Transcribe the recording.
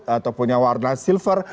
atau punya warna silver